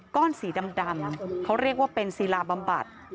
ก้อนสีดำเขาเรียกว่าเป็นศิลาบำบัด